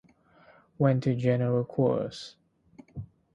Went to General Quarters.